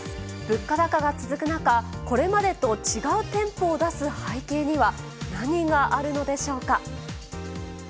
物価高が続く中、これまでと違う店舗を出す背景には、何があるのでしょうか。